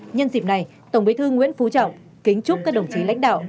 nhân dịp này tổng bí thư nguyễn phú trọng kính chúc các đồng chí lãnh đạo